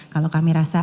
kalau kami rasa